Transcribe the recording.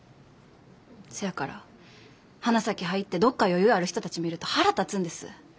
そやから花咲入ってどっか余裕ある人たち見ると腹立つんです。